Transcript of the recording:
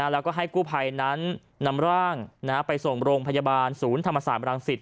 แล้วก็ให้กู้ภัยนั้นนำร่างไปส่งโรงพยาบาลศูนย์ธรรมศาสตรังสิต